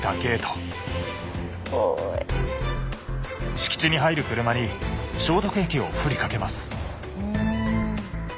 敷地に入る車に消毒液をふりかけます。